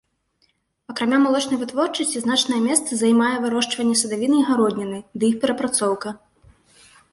Акрамя малочнай вытворчасці значнае месца займае вырошчванне садавіны і гародніны ды іх перапрацоўка.